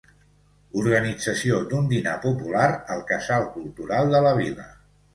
Organització d'un dinar popular al Casal Cultural de la vila.